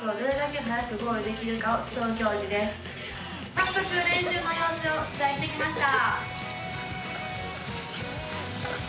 早速、練習の様子を取材してきました。